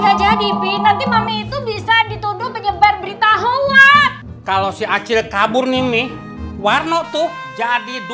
udah mikirnya itu pendek aja